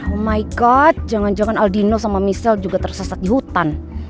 oh my god jangan jangan aldino sama michelle juga tersesat di hutan